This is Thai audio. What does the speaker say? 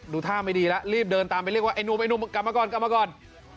ท่าไม่ดีแล้วรีบเดินตามไปเรียกว่าไอ้หนุ่มไอ้หนุ่มกลับมาก่อนกลับมาก่อน